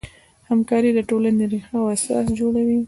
همکاري د ټولنې ریښه او اساس جوړوي.